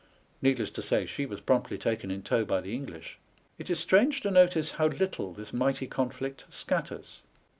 Needless to say she was promptly taken in tow by the English. It is strange to notice how little this mighty conflict scatters.